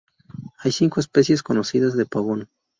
Hay cinco especies conocidas de "pavón".